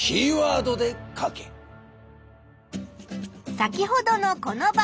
先ほどのこの場面。